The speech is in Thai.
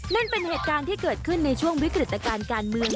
นั่นเป็นเหตุการณ์ที่เกิดขึ้นในช่วงวิกฤตการณ์การเมือง